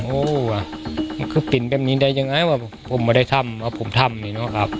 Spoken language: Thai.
โอ้ว่ะคือเป็นแบบนี้ได้ยังไงว่าผมไม่ได้ทำว่าผมทำนี่เนอะครับ